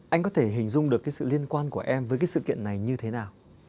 anh có thể hình dung được sự liên quan của em với sự kiện này như thế nào